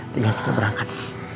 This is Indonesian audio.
tinggal kita berangkat